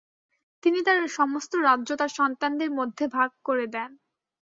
তিনি তার সমস্ত রাজ্য তার সন্তানদের মধ্যে ভাগ করে দেন।